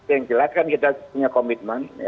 yang jelas kan kita punya komitmen